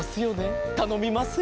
たのみますよ。